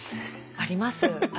あります。